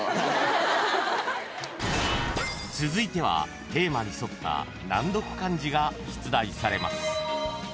［続いてはテーマに沿った難読漢字が出題されます］